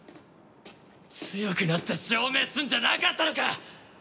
強くなって証明するんじゃなかったのか！